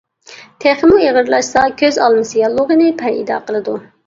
تېخىمۇ ئېغىرلاشسا كۆز ئالمىسى ياللۇغىنى پەيدا قىلىدۇ.